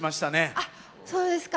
あっそうですか？